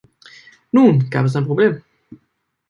Nun gab es ein Problem.